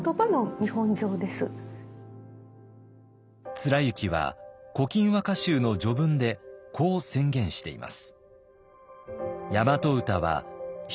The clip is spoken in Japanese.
貫之は「古今和歌集」の序文でこう宣言しています。